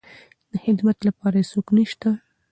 د خدمت لپاره يې څوک نشته.